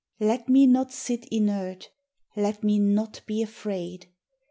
Let me not sit inert, Let me not be afraid!